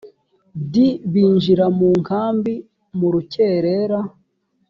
d binjira mu nkambi mu rukerera